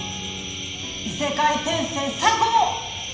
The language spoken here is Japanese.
異世界転生最高！